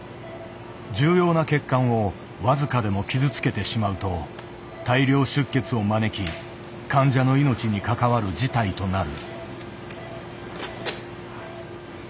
重要な血管を僅かでも傷つけてしまうと大量出血を招き患者の命に関わる事態となる。